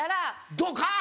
ドカン！